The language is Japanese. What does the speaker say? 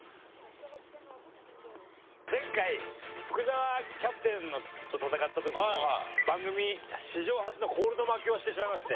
前回福澤キャプテンと戦った時に番組史上初のコールド負けをしてしまいまして。